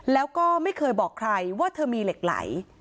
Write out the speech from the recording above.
แล้วก็ไม่เคยบอกใครว่าเธอมีเหล็กไหล